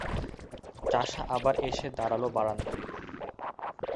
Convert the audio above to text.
চাষা আবার এসে দাঁড়াল বারান্দায়।